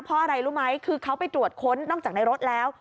เพราะอะไรรู้ไหมคือเขาไปตรวจค้นนอกจากในรถแล้ว